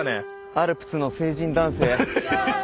アルプスの成人男性。